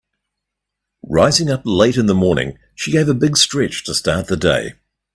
Rising up late in the morning she gave a big stretch to start the day.